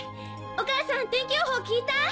お母さん天気予報聞いた？